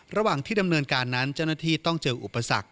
ระหว่างที่ดำเนินการนั้นเจ้าหน้าที่ต้องเจออุปสรรค